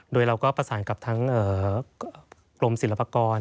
โดยเราก็ประสานกับทั้งกรมศิลปากร